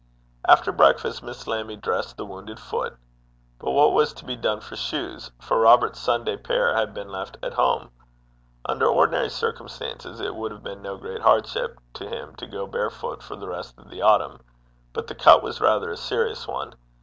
After breakfast Miss Lammie dressed the wounded foot. But what was to be done for shoes, for Robert's Sunday pair had been left at home? Under ordinary circumstances it would have been no great hardship to him to go barefoot for the rest of the autumn, but the cut was rather a serious one.